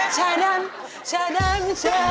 ชาดามชาดาม